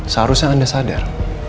seharusnya anda sadar